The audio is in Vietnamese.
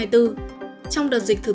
trong đợt dịch thứ bốn